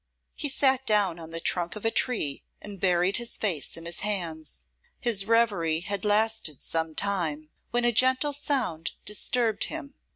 He sat down on the trunk of a tree and buried his face in his hands. His reverie had lasted some time, when a gentle sound disturbed him.